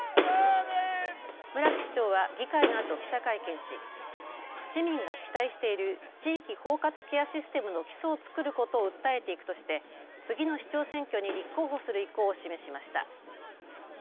村木市長は議会のあと、記者会見し市民が期待している地域包括ケアシステムの基礎を作ることを訴えていくとして次の市長選挙に立候補する意向を示しました。